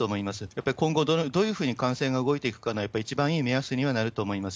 やっぱり今後どういうふうに感染が動いていくかの、やっぱり一番いい目安にはなると思います。